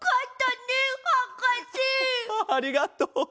ありがとう。